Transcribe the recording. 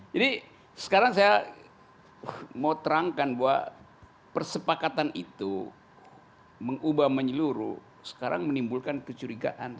jadi sekarang saya mau terangkan bahwa persepakatan itu mengubah menyeluruh sekarang menimbulkan kecurigaan